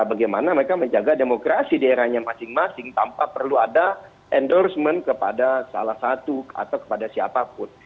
bagaimana mereka menjaga demokrasi daerahnya masing masing tanpa perlu ada endorsement kepada salah satu atau kepada siapapun